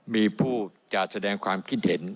มีผู้จะแสดงความคิดเห็น